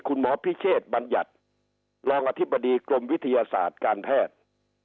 คุณหมอพิเชษบัญญัติรองอธิบดีกรมวิทยาศาสตร์การแพทย์